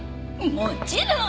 もちろん！